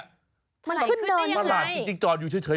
ทะไหลขึ้นได้อย่างไรจริงจอดอยู่เฉย